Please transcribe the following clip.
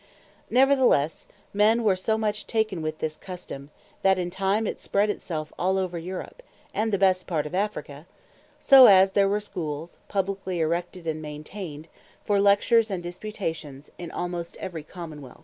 Neverthelesse, men were so much taken with this custome, that in time it spread it selfe over all Europe, and the best part of Afrique; so as there were Schools publiquely erected, and maintained for Lectures, and Disputations, almost in every Common wealth.